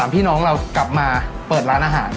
พี่น้องเรากลับมาเปิดร้านอาหาร